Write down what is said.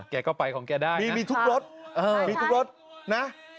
แกก็ไปของแกได้นะ